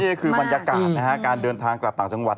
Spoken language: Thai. นี่คือบรรยากาศนะฮะการเดินทางกลับต่างจังหวัด